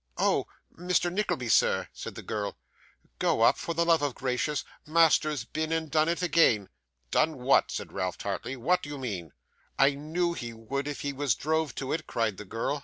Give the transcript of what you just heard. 'Oh! Mr. Nickleby, sir,' said the girl. 'Go up, for the love of Gracious. Master's been and done it again.' 'Done what?' said Ralph, tartly; 'what d'ye mean?' 'I knew he would if he was drove to it,' cried the girl.